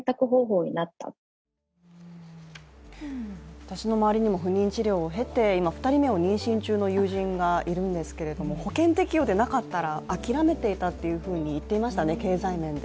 私の周りにも不妊治療を経て、今、２人目妊娠中の友人がいるんですが、友人がいるんですけども、保険適用でなければ諦めていたと言ってました、経済面で。